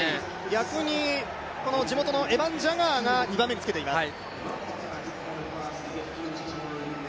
逆に地元のエバン・ジャガーが２番目につけています。